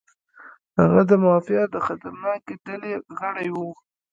هغه د مافیا د خطرناکې ډلې غړی و.